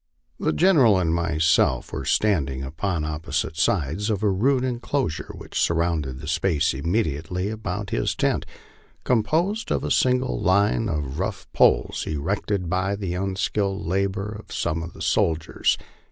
The General and myself were standing upon opposite sides of a rude enclosure which surrounded the space immediately about his tent, composed of a single line of rough poles, erected by the unskilled labor of some of the soldiers.